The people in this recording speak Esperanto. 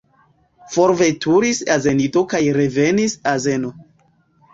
Forveturis azenido kaj revenis azeno.